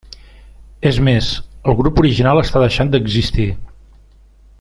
És més, el grup original està deixant d'existir.